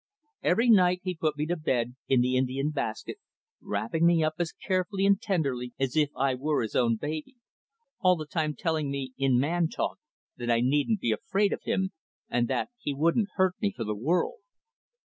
Every night he put me to bed in the Indian basket, wrapping me up as carefully and tenderly as if I were his own baby, all the time telling me in man talk that I needn't be afraid of him, and that he wouldn't hurt me for the world.